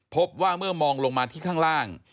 พบว่าเมื่อมองลงมาที่ข้างล่าง